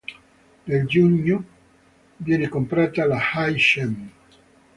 Nel giugno viene comprata la HighChem.